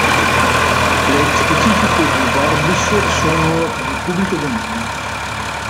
Le specifiche di Vorbis sono di pubblico dominio.